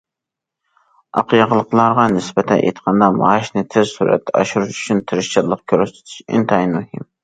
ئاق ياقىلىقلارغا نىسبەتەن ئېيتقاندا، مائاشنى تېز سۈرئەتتە ئاشۇرۇش ئۈچۈن تىرىشچانلىق كۆرسىتىش ئىنتايىن مۇھىم.